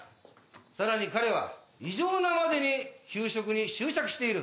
さらに彼は異常なまでに給食に執着している。